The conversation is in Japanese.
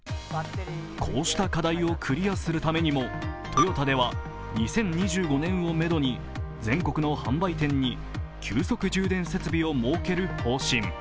こうした課題をクリアするためにも、トヨタでは２０２５年をメドに全国の販売店に急速充電設備を設ける方針。